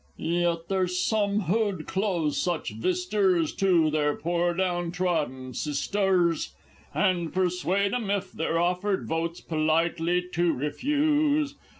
_) Yet there's some who'd close such vistars to their poor down trodden sistars, And persuade 'em, if they're offered votes, politely to refuse!